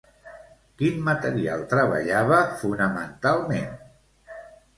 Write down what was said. Quin material treballava fonamentalment?